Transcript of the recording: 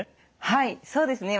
はいそうですね